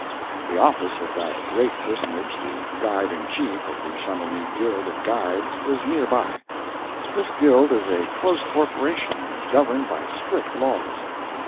The office of that great personage, the Guide in Chief of the Chamonix Guild of Guides, was near by. This guild is a close corporation, and is governed by strict laws.